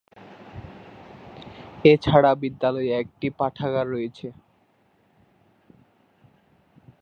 এছাড়া, বিদ্যালয়ে একটি পাঠাগার রয়েছে।